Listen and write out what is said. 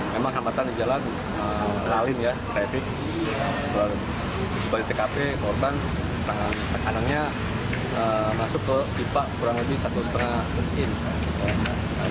memang kelembatan di jalan terlalu trafik setelah di tkp korban tangannya masuk ke pipa kurang lebih satu setengah inci